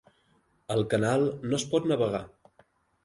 El canal no es pot navegar.